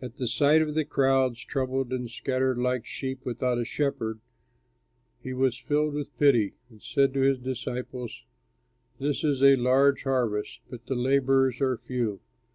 At sight of the crowds, troubled and scattered like sheep without a shepherd, he was filled with pity, and said to his disciples, "This is a large harvest, but the laborers are few.